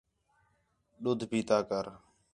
دُڈھ پیتا کر